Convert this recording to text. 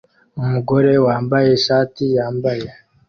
Umugore wambaye ishati yambaye